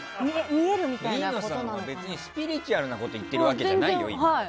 飯野さんは別にスピリチュアルなことを言ってるわけじゃないよ、今。